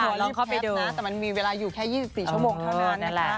ลองเข้าไปดูนะแต่มันมีเวลาอยู่แค่๒๔ชั่วโมงเท่านั้นนะคะ